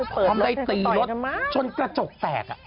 พร้อมได้ตีรถจนกระจกแตก